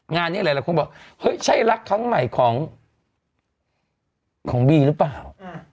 งานนี้หลายคนบอกเฮ้ยใช่รักครั้งใหม่ของบีหรือเปล่า